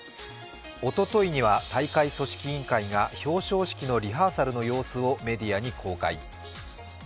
おとといには、大会組織委員会が表彰式のリハーサルの様子をメディアに公開。